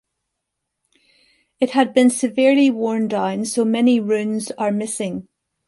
It had been severely worn down so many runes are missing.